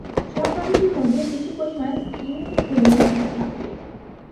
সব মানুষের মধ্যেই কিছু পরিমাণ ইনসেনিটি থাকে।